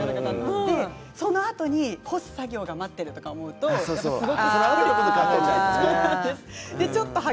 そのあとに干す作業が待っていると思うとよけいですね。